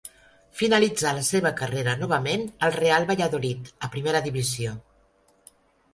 Finalitzà la seva carrera novament al Real Valladolid, a primera divisió.